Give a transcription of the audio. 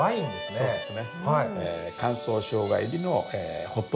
そうですね。